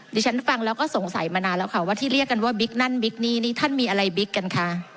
ดิฉันฟังแล้วก็สงสัยมานานแล้วค่ะว่าที่เรียกกันว่าบิ๊กนั่นบิ๊กนี่นี่ท่านมีอะไรบิ๊กกันคะ